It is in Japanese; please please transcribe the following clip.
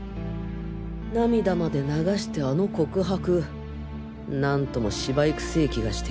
涙まで流してあの告白なんとも芝居くせえ気がしてよ。